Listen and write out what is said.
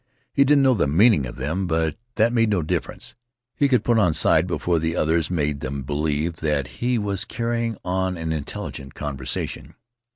He didn't know the meaning of them, but that made no difference. He could put on side before the others, make them believe that he was carrying on an intelligent conversation.